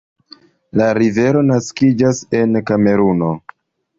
La rivero naskiĝas en Kameruno.